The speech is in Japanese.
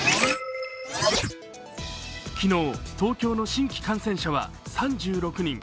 昨日、東京の新規感染者は３６人。